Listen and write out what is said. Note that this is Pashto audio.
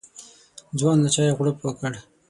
ځوان له چايه غوړپ وکړ.